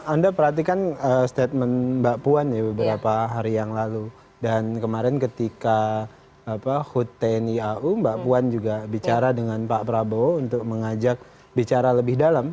anda perhatikan statement mbak puan ya beberapa hari yang lalu dan kemarin ketika hut tni au mbak puan juga bicara dengan pak prabowo untuk mengajak bicara lebih dalam